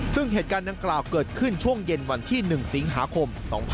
ซึ่งเหตุการณ์ดังกล่าวเกิดขึ้นช่วงเย็นวันที่๑สิงหาคม๒๕๖๒